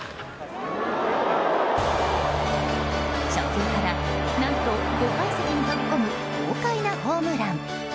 初球から、何と５階席に飛び込む豪快なホームラン。